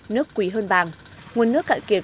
nước quý hơn bàng nguồn nước cạn kiệt